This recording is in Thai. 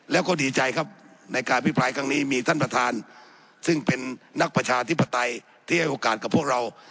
แล้วก็ดีใจครับในการอภิปรายครั้งนี้มีท่านประธานซึ่งเป็นนักประชาธิปไตยที่ให้โอกาสกับพวกเรา